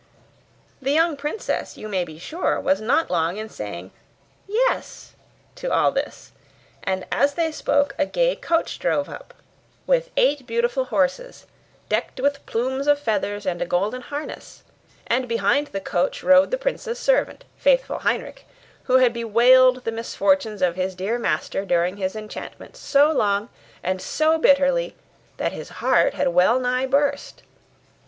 The young princess, you may be sure, was not long in saying 'Yes' to all this; and as they spoke a gay coach drove up, with eight beautiful horses, decked with plumes of feathers and a golden harness; and behind the coach rode the prince's servant, faithful Heinrich, who had bewailed the misfortunes of his dear master during his enchantment so long and so bitterly, that his heart had well nigh burst.